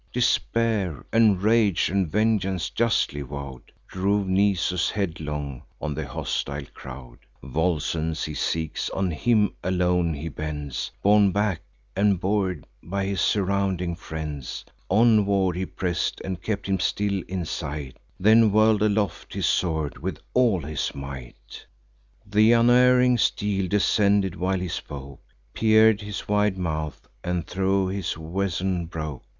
Despair, and rage, and vengeance justly vow'd, Drove Nisus headlong on the hostile crowd. Volscens he seeks; on him alone he bends: Borne back and bor'd by his surrounding friends, Onward he press'd, and kept him still in sight; Then whirl'd aloft his sword with all his might: Th' unerring steel descended while he spoke, Pierc'd his wide mouth, and thro' his weazon broke.